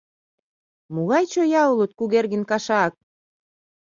Могай чоя улыт Кугергин кашак!